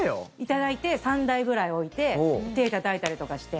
頂いて、３台ぐらい置いて手たたいたりとかして。